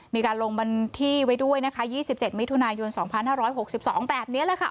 มีการลงบันที่ไว้ด้วยนะคะ๒๗มิถุนายน๒๕๖๒แบบนี้แหละค่ะ